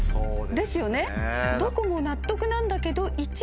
ですよねどこも納得なんだけど。